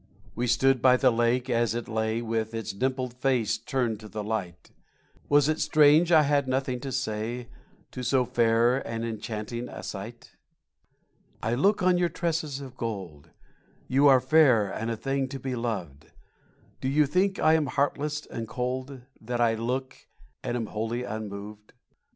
We stood by the lake as it lay With its dimpled face turned to the light; Was it strange I had nothing to say To so fair and enchanting a sight? I look on your tresses of gold— You are fair and a thing to be loved— Do you think I am heartless and cold That I look and am wholly unmoved?